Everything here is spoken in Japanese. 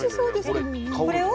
これを？